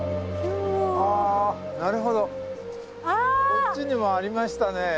こっちにもありましたね。